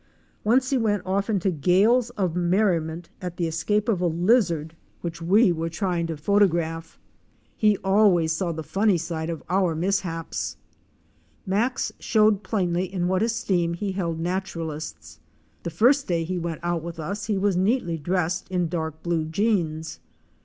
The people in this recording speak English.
Once he went off into gales of merriment at the escape of a lizard which we 102 OUR SEARCH FOR A WILDERNESS. were trying to photograph. He always saw the funny side of our mishaps. Max showed plainly in what esteem he held naturalists. The first day he went out with us he was neatly dressed in dark blue jeans.